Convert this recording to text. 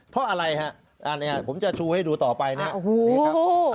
เพราะอะไรครับอันนี้ผมจะชูให้ดูต่อไปนะครับ